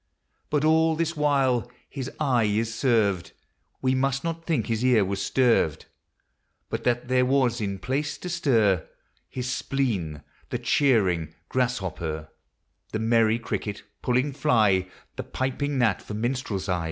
But all this while his eye is served, We must not think his ear was sterved ; But that there was in place to stir His spleen, the chirring grasshopper, The merry cricket, puling fly, The piping gnat for minstrelsy.